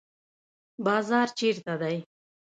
بازار چیرته دی؟